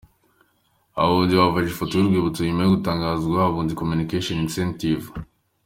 Abunzi bafashe ifoto y'urwibutso nyuma yo gutangiza “Abunzi”Communication Incentive.